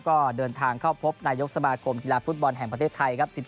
ก็เดินทางเข้าพบนายกสมาคมกีฬาฟุตบอลแห่งประเทศไทยครับ